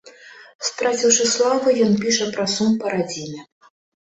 Страціўшы славу, ён піша пра сум па радзіме.